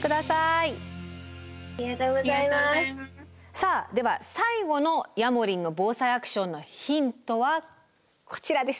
さあでは最後のヤモリンの「ＢＯＳＡＩアクション」のヒントはこちらです。